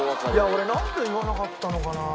俺なんで言わなかったのかな？